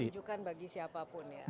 itu tujuan bagi siapapun ya